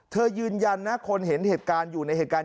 ยืนยันนะคนเห็นเหตุการณ์อยู่ในเหตุการณ์